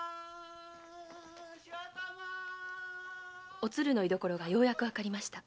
おつるの居所がようやくわかりました。